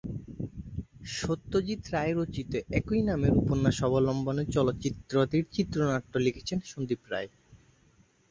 সত্যজিৎ রায় রচিত একই নামের উপন্যাস অবলম্বনে চলচ্চিত্রটির চিত্রনাট্য লিখেছেন সন্দীপ রায়।